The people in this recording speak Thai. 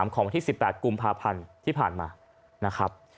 ของวันที่๑๘กุมภาพันธ์ที่ผ่านมานะครับ